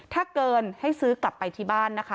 ถ้าเกินให้ซื้อกลับไปที่บ้านนะคะ